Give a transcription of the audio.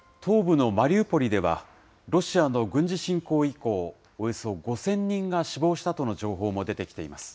東部のマリウポリでは、ロシアの軍事侵攻以降、およそ５０００人が死亡したとの情報も出